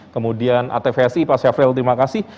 kemudian atvsi pak syafril terima kasih